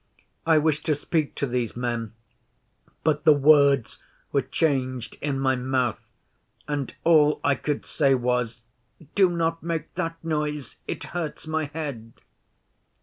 I wished to speak to these men, but the words were changed in my mouth, and all I could say was, "Do not make that noise. It hurts my head."